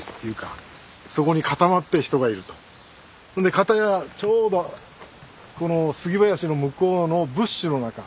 片やちょうどこの杉林の向こうのブッシュの中。